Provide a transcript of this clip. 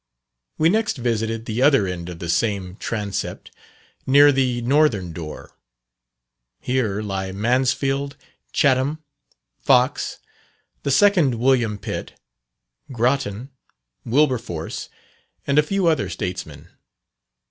We next visited the other end of the same transept, near the northern door. Here lie Mansfield, Chatham, Fox, the second William Pitt, Grattan, Wilberforce, and a few other statesmen.